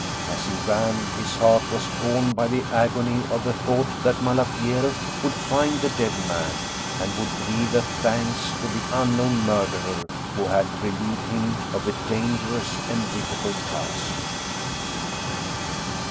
As he ran, his heart was torn by the agony of the thought that Malapiero would find the dead man, and would breathe a thanks to the unknown murderer who had relieved him of a dangerous and difficult task.